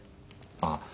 ああ。